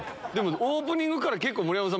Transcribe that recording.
オープニングから結構盛山さん